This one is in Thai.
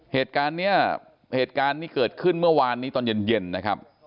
เหตุการณ์เนี่ยเหตุการณ์นี้เกิดขึ้นเมื่อวานนี้ตอนเย็นนะครับ